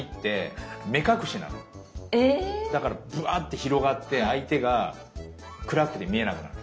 えぇ⁉だからぶわって広がって相手が暗くて見えなくなるの。